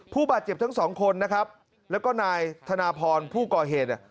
ผู้บาดเจ็บทั้งสองคนนะครับแล้วก็นายธนาพรผู้ก่อเหตุเนี่ย